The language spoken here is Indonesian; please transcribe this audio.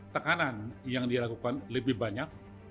tekanan yang dilakukan lebih banyak